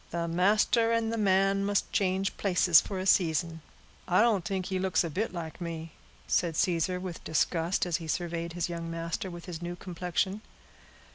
"The master and the man must change places for a season." "I don't t'ink he look a bit like me," said Caesar, with disgust, as he surveyed his young master with his new complexion.